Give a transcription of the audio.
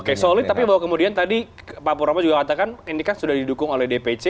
oke solid tapi bahwa kemudian tadi pak purwo juga katakan ini kan sudah didukung oleh dpc